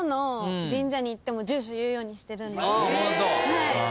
はい。